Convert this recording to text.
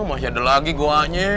masih ada lagi goanya